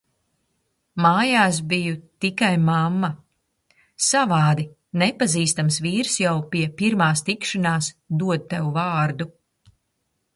Mājās biju tikai "mamma". Savādi, nepazīstams vīrs jau pie pirmās tikšanās dod tev vārdu.